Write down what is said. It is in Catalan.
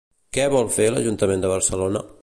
Què vol fer l'Ajuntament de Barcelona?